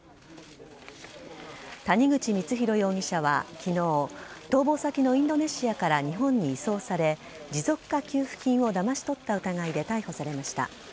谷口光弘容疑者は昨日逃亡先のインドネシアから日本に移送され持続化給付金をだまし取った疑いで逮捕されました。